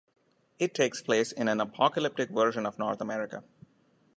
It takes place in an apocalyptic version of North America.